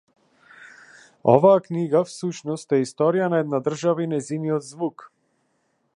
Оваа книга, всушност, е историја на една држава и нејзиниот звук.